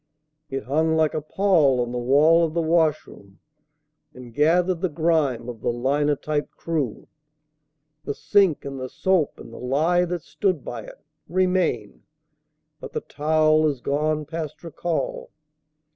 It hung like a pall on the wall of the washroom, And gathered the grime of the linotype crew. The sink and the soap and the lye that stood by it Remain; but the towel is gone past recall.